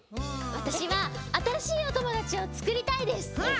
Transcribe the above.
わたしはあたらしいおともだちをつくりたいです。